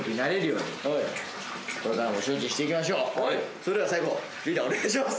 それでは最後リーダーお願いします。